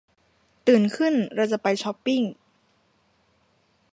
ตื่นขึ้นเราจะไปช็อปปิ้ง